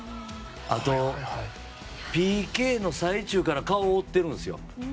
ＰＫの最中から顔を覆ってるんですよ。